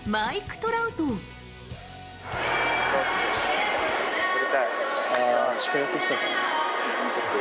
トラウト選手、撮りたい。